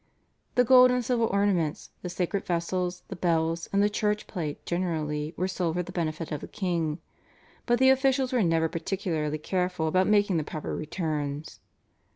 The gold and silver ornaments, the sacred vessels, the bells, and the church plate generally were sold for the benefit of the king, but the officials were never particularly careful about making the proper returns.